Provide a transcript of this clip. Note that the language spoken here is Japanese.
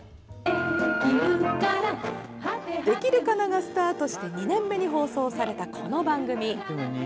「できるかな」がスタートして２年目に放送されたこの番組。